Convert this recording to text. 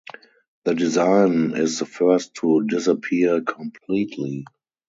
The design is the first to disappear completely.